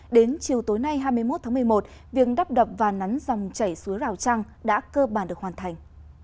đến chiều tối nay hai mươi một tháng một mươi một việc đắp đập và nắn dòng chảy suối rào trăng đã cơ bản được hoàn thành